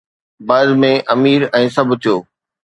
بعد ۾ امير ۽ سڀ ٿيو